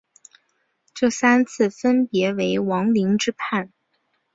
这三次分别为王凌之叛。